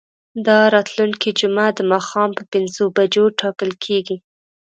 دا راتلونکې جمعه د ماښام په پنځو بجو ټاکل کیږي.